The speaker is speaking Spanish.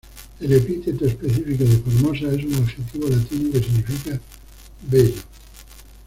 El epíteto específico de "formosa" es un adjetivo latino que significa 'bello'.